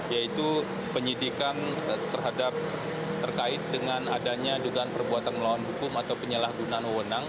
yaitu penyidikan terhadap terkait dengan adanya dugaan perbuatan melawan hukum atau penyalahgunaan wewenang